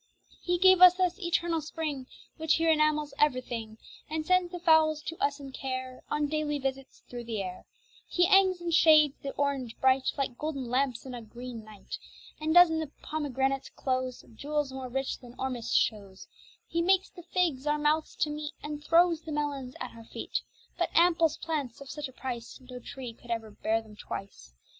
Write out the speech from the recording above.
He gave us this eternal Spring Which here enamels every thing, And sends the fowls to us in care, On daily visits through the air; He hangs in shades the orange bright, Like golden lamps in a green night, And does in the pomegranates close Jewels more rich than Ormus shows; He makes the figs our mouths to meet, And throws the melons at our feet; But apples plants of such a price, No tree could ever bear them twice.